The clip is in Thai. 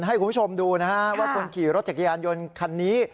ให้คุณผู้ชมดูนะฮะว่าคนขี่รถจักรยานยนต์คันนี้